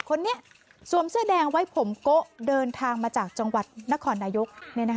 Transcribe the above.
คนนี้สวมเสื้อแดงไว้ผมโกะเดินทางมาจากจังหวัดนครนายก